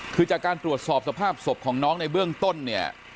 คือจากการตรวจสอบสภาพศพของน้องในเบื้องต้นเนี่ย